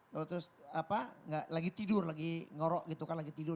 terus apa nggak lagi tidur lagi ngorok gitu kan lagi tidur